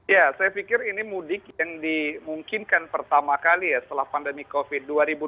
ya saya pikir ini mudik yang dimungkinkan pertama kali ya setelah pandemi covid sembilan belas